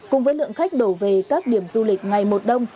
cùng với lượng khách đổ về các điểm du lịch ngày một đông